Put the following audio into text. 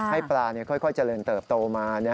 ให้ปลาค่อยเจริญเติบโตมา